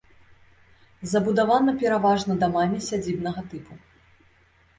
Забудавана пераважна дамамі сядзібнага тыпу.